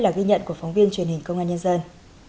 là ghi nhận của phóng viên truyền hình công an nhân dân